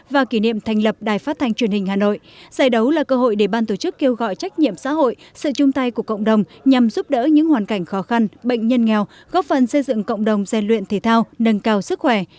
và kỷ niệm thành lập đài phát thanh truyền hình hà nội giải đấu là cơ hội để ban tổ chức kêu gọi trách nhiệm xã hội sự chung tay của cộng đồng nhằm giúp đỡ những hoàn cảnh khó khăn bệnh nhân nghèo góp phần xây dựng cộng đồng gian luyện thể thao nâng cao sức khỏe